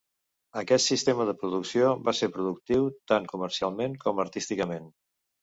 Aquest sistema de producció va ser productiu tant comercialment com artísticament.